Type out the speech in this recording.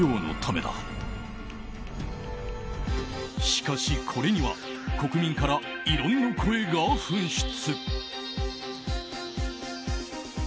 しかし、これには国民から異論の声が噴出。